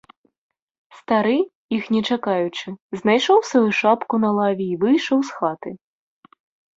Стары, іх не чакаючы, знайшоў сваю шапку на лаве й выйшаў з хаты.